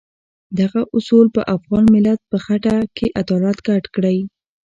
دغه اصول په افغان ملت په خټه کې عدالت ګډ کړی.